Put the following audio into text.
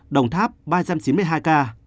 đồng tháp ba trăm chín mươi hai ca